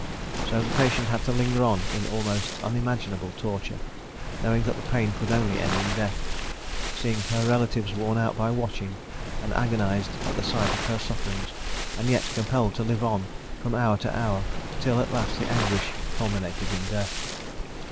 So the patient had to linger on in almost unimaginable torture, knowing that the pain could only end in death, seeing her relatives worn out by watching, and agonised at the sight of her sufferings, and yet compelled to live on from hour to hour, till at last the anguish culminated in death.